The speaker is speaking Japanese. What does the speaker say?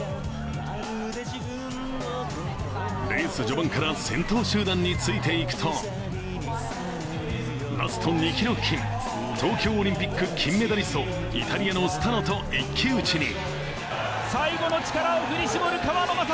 レース序盤から先頭集団についていくと、ラスト２ｋｍ付近、東京オリンピック金メダリスト、イタリアのスタノと一騎打ちに。